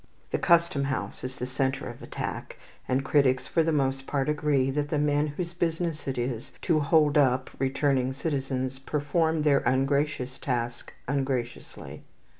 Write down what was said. The Custom House is the centre of attack, and critics for the most part agree that the men whose business it is to "hold up" returning citizens perform their ungracious task ungraciously.